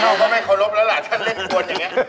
ก็ไม่เคารพแล้วล่ะถ้าเล่นคนอย่างนี้